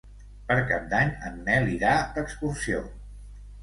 Per Cap d'Any en Nel irà d'excursió.